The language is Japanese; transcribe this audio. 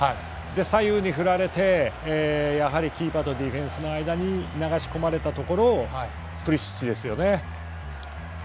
左右に振られて、やはりキーパーとディフェンスの間に流し込まれたところをプリシッチですよね。